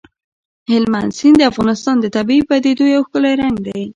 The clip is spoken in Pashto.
هلمند سیند د افغانستان د طبیعي پدیدو یو ښکلی رنګ دی.